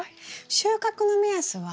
収穫の目安は？